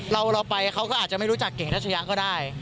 เราไปเขาก็อาจจะไม่รู้จักเก๋รัชยะก็ได้